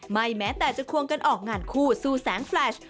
แม้แต่จะควงกันออกงานคู่สู้แสงแฟลช